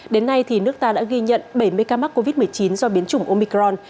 đến nay nước ta đã ghi nhận bảy mươi ca mắc covid một mươi chín do biến chủng omicron